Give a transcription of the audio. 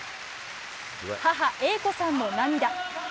母・英子さんも涙。